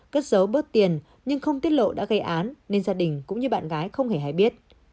cất dấu bớt tiền nhưng không tiết lộ đã gây án nên gia đình cũng như bạn gái không hề hay biết